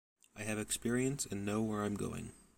I have experience and know where I'm going.